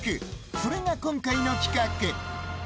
それが今回の企画。